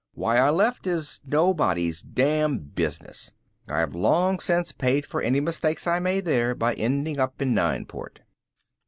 Why I left is nobody's damn business. I have long since paid for any mistakes I made there by ending up in Nineport.